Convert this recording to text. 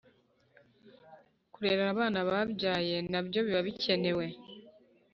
kurera abana babyaye nabyo biba bikenewed